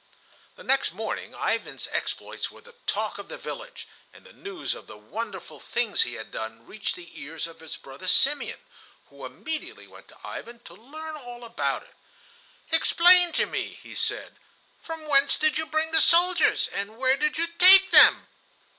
The next morning Ivan's exploits were the talk of the village, and news of the wonderful things he had done reached the ears of his brother Simeon, who immediately went to Ivan to learn all about it. "Explain to me," he said; "from whence did you bring the soldiers, and where did you take them?"